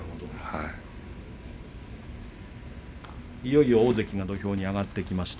いよいよ大関が土俵に上がってきました。